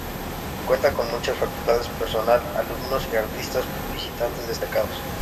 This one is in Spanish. Cuenta con muchas facultades, personal, alumnos y artistas visitantes destacados.